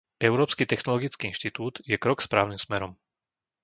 Európsky technologický inštitút je krok správnym smerom.